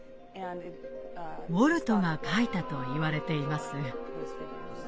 ウォルトが描いたといわれています。